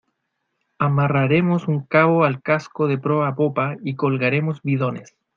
amarraremos un cabo al casco de proa a popa y colgaremos bidones